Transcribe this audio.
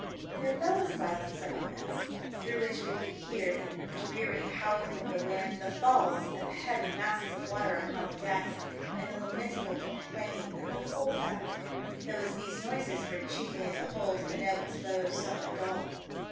There fell a silence among us, through which we could hear the dreary howling of the wind, the falls of heavy masses of water upon the decks, and the lamentable com plaining of the whole fabric, though as these noises were chiefly in the hold the notes rose somewhat dulled.